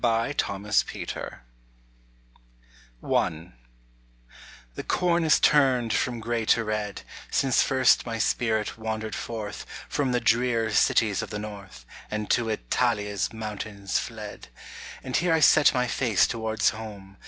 ROME UNVESTED THE corn has turned from grey to red, Since first my spirit wandered forth From the drear cities of the north, And to Italia' s mountains fled. And here I set my race towards home.